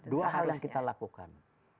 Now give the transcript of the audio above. dua hal yang kita lakukan